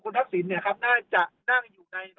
กินดอนเมืองในช่วงเวลาประมาณ๑๐นาฬิกานะครับ